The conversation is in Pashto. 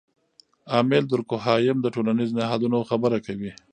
امیل دورکهایم د ټولنیزو نهادونو خبره کوي.